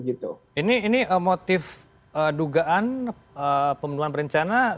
ini motif dugaan pembunuhan berencana